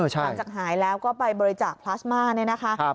หากจากหายแล้วก็ไปบริจักษ์พลาสมาแน่นะ